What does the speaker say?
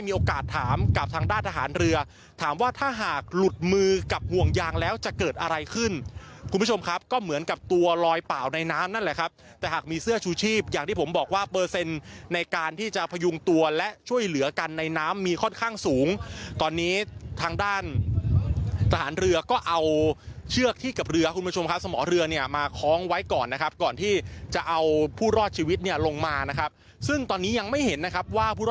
มีโอกาสถามกับทางด้านทหารเรือถามว่าถ้าหากหลุดมือกับห่วงยางแล้วจะเกิดอะไรขึ้นคุณผู้ชมครับก็เหมือนกับตัวลอยเปล่าในน้ำนั่นแหละครับแต่หากมีเสื้อชูชีพอย่างที่ผมบอกว่าเปอร์เซ็นต์ในการที่จะพยุงตัวและช่วยเหลือกันในน้ำมีค่อนข้างสูงตอนนี้ทางด้านทหารเรือก็เอาเชือกที่กับเรือคุณผู้ชมครับสมร